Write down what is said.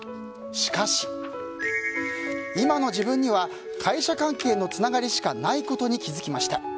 しかし、今の自分には会社関係のつながりしかないことに気づきました。